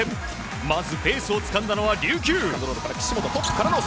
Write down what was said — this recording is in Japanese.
まずペースをつかんだのは琉球。